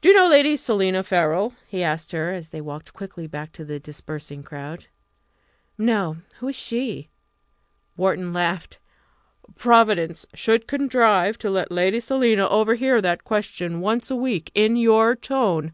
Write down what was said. "Do you know Lady Selina Farrell?" he asked her, as they walked quickly back to the dispersing crowd. "No; who is she?" Wharton laughed. "Providence should contrive to let Lady Selina overhear that question once a week in your tone!